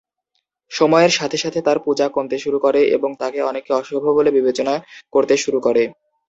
সময়ের সাথে সাথে তার পূজা কমতে শুরু করে এবং তাকে অনেকে অশুভ বলে বিবেচনা করতে শুরু করে।